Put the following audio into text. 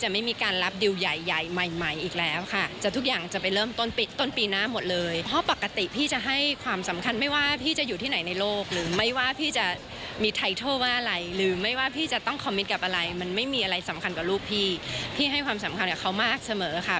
ไม่มีอะไรสำคัญกับลูกพี่พี่ให้ความสำคัญกับเขามากเสมอค่ะ